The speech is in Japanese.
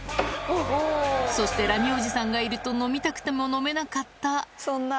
そしてラミおじさんがいると飲みたくても飲めなかったそんな。